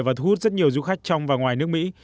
và thu hút rất nhiều du khách trong và ngoài nước mỹ